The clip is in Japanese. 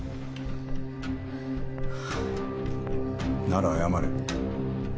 なら謝れ。